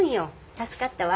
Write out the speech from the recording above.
助かったわ。